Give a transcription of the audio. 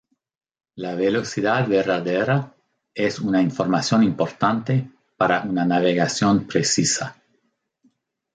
La velocidad verdadera es una información importante para una navegación precisa.